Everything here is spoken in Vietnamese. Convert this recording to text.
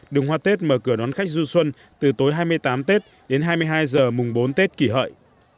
đường hoa tết mở cửa đón khách du xuân từ tối hai mươi tám tết đến hai mươi hai h mùng bốn tết kỷ hợi